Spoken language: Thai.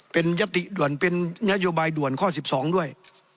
เป็นยติด่วนเป็นนโยบายด่วนข้อ๑๒ด้วย